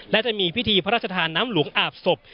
และจะมีพิธีพระราชทานน้ำหลวงอาบศพ